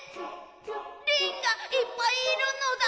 リンがいっぱいいるのだ？